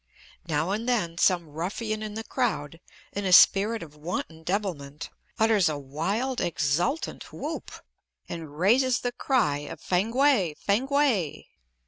Now and then some ruffian in the crowd, in a spirit of wanton devilment, utters a wild, exultant whoop and raises the cry of "Fankwae. Fankwae."